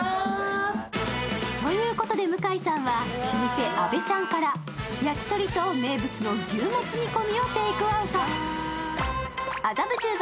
向井さんは老舗あべちゃんから焼き鳥と名物の牛もつ煮込みをテイクアウト。